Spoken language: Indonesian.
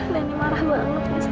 nenek marah banget